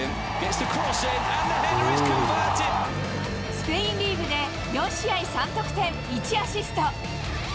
スペインリーグで４試合３得点、１アシスト。